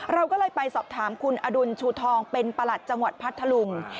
เราก็เลยไปสอบถามคุณอดุลชูทองเป็นประหลัดจังหวัดพัทธลุง